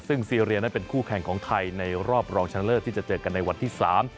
ซึ่งซีเรียนั้นเป็นคู่แข่งของไทยในรอบรองชนะเลิศที่จะเจอกันในวันที่สาม